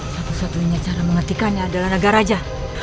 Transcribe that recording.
satu satunya cara menghentikannya adalah raga raja